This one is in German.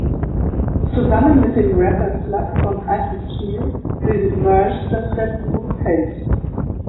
Zusammen mit dem Rapper Slug von Atmosphere bildet Murs das Rap-Duo Felt.